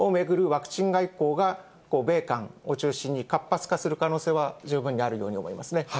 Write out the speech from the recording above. ワクチン外交が、米韓を中心に活発化する可能性は十分にあるように思いますね。